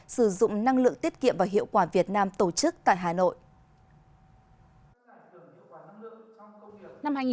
sử dụng năng lượng tiết kiệm và hiệu quả việt nam tổ chức tại hà nội